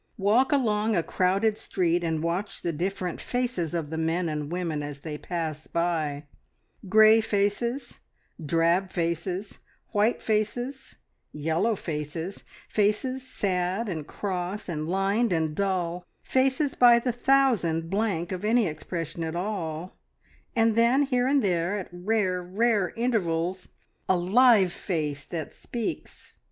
Walk along a crowded street and watch the different faces of the men and women as they pass by grey faces, drab faces, white faces, yellow faces, faces sad and cross, and lined and dull, faces by the thousand blank of any expression at all, and then here and there, at rare, rare intervals, a live face that speaks.